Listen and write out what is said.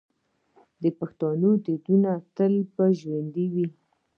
د پښتنو دودونه به تل ژوندي وي.